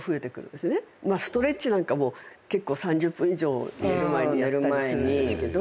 ストレッチなんかも３０分以上寝る前にやったりするんですけど。